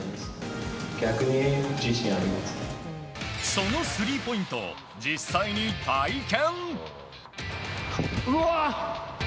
そのスリーポイントを実際に体験。